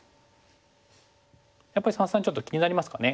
やっぱり三々ちょっと気になりますかね。